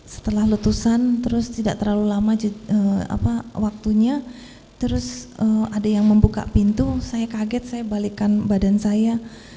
setelah letusan terus tidak terlalu lama waktunya terus ada yang membuka pintu saya kaget saya balikkan badan saya